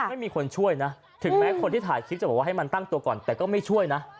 ไม่มีคนช่วยนะถึงแม้คนที่ถ่ายคลิปจะบอกว่าให้มันตั้งตัวก่อนแต่ก็ไม่ช่วยนะ